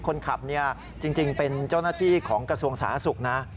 คนขับเนี่ยจริงเป็นเจ้าหน้าที่ของกระทรวงสาธารณสุขนะ